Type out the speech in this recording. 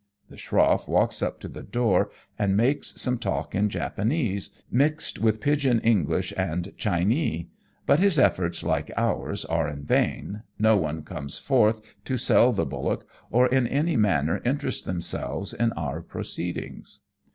The schroff walks up to the door and makes some talk in Japanese, mixed with pigeon English and Chinee, but his efforts, like ours, are in vain, no one comes forth to sell the bullock, or in any manner interest themselves in our proceedings.